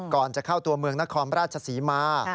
ก่อนจะเข้าตัวเมืองนครราชศรีมา